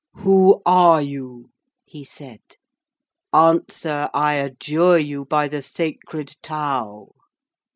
'Who are you?' he said. 'Answer, I adjure you by the Sacred Tau!'